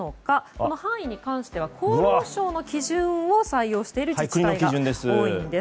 この範囲に関しては厚労省の基準を採用している自治体が多いんです。